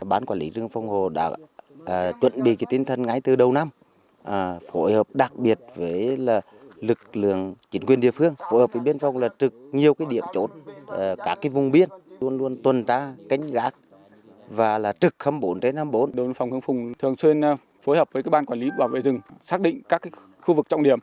đội phòng hướng phùng thường xuyên phối hợp với các ban quản lý bảo vệ rừng xác định các khu vực trọng điểm